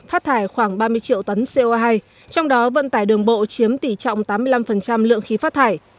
phát thải khoảng ba mươi triệu tấn co hai trong đó vận tải đường bộ chiếm tỷ trọng tám mươi năm lượng khí phát thải